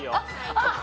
あっ！